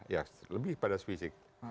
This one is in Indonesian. ya lebih pada fisik